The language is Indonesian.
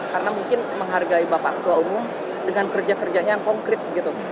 karena mungkin menghargai bapak ketua umum dengan kerja kerjanya yang konkret gitu